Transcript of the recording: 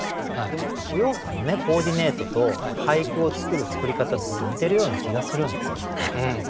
でもお洋服のコーディネートと俳句を作る作り方って僕似てるような気がするんですけどね。